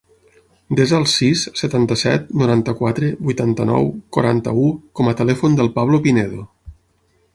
Desa el sis, setanta-set, noranta-quatre, vuitanta-nou, quaranta-u com a telèfon del Pablo Pinedo.